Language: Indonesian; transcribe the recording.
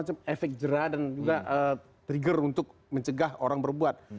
nah itu sebagai efek jerah dan juga trigger untuk mencegah orang berbuat